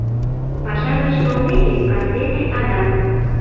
Паша гыч толмеке, кастене адак.